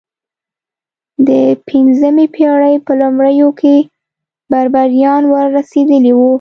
د پنځمې پېړۍ په لومړیو کې بربریان ور رسېدلي وو.